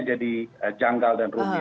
jadi janggal dan rumit